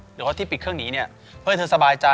หรือว่าที่ปิดเครื่องนี้เนี่ยเฮ้ยเธอสบายใจ